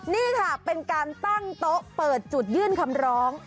นี่ค่ะเป็นการตั้งโต๊ะเปิดจุดยื่นคำร้อง